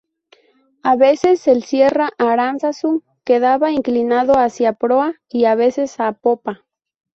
A veces el Sierra Aránzazu quedaba inclinado hacia proa, y a veces a popa.